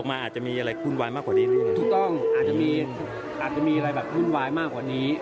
อาจจะมีอะไรบ้างหุ้นวายมากกว่านี้